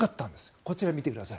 こちら、見てください。